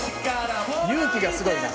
「勇気がすごいな」